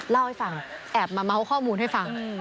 เล่าให้ฟังแอบมาเมาส์ข้อมูลให้ฟัง